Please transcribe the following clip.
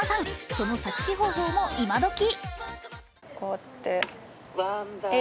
その作詞方法もイマドキ。